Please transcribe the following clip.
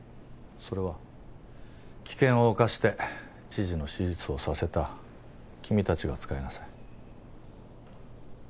それは危険を冒して知事の手術をさせた君たちが使いなさい。